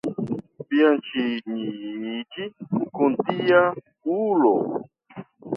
Fianĉiniĝi kun tia ulo!